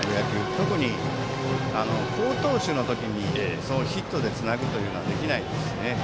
特に好投手の時にヒットでつなぐのはなかなかできないですしね。